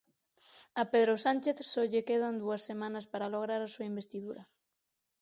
A Pedro Sánchez só lle quedan dúas semanas para lograr a súa investidura.